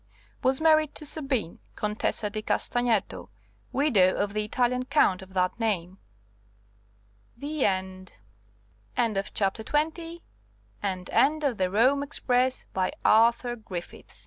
was married to Sabine, Contessa di Castagneto, widow of the Italian Count of that name." THE END. End of the Project Gutenberg EBook of The Rome Express, by Arthur Griff